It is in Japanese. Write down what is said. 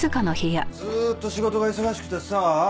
ずーっと仕事が忙しくてさ。